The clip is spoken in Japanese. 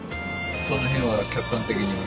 その辺は客観的に。